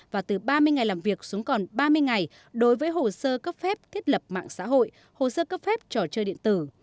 và từ ba mươi ngày làm việc xuống còn ba mươi ngày đối với hồ sơ cấp phép thiết lập mạng xã hội hồ sơ cấp phép trò chơi điện tử